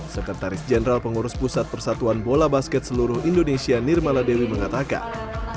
sekretaris jenderal pengurus pusat persatuan bola basket seluruh indonesia nirmala dewi mengatakan